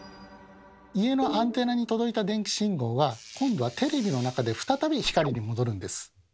家のアンテナに届いた電気信号は今度はテレビの中で再び光に戻るんです。